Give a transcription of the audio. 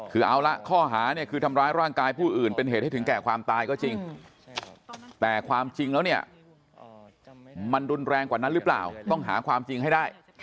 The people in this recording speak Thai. คือเอาละข้อหาเนี่ยคือทำร้ายร่างกายผู้อื่นเป็นเหตุให้ถึงแก่ความตายก็จริงแต่ความจริงแล้วเนี่ยมันรุนแรงกว่านั้นหรือเปล่าต้องหาความจริงให้ได้